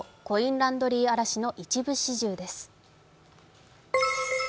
コインランドリー荒らしの一部始終です。